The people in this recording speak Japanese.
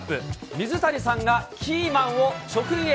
水谷さんがキーマンを直撃。